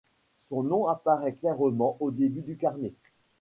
Son nom apparaît clairement au début du carnet.